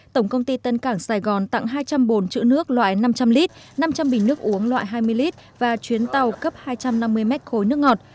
tổng công ty tân cảng sài gòn tặng hai trăm bồn chữ nước loại năm trăm linh lít năm trăm linh bình nước uống loại hai mươi lít và chuyến tàu cấp hai trăm năm mươi mét khối nước ngọt